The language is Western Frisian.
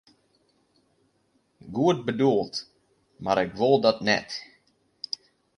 Goed bedoeld, mar ik wol dat net.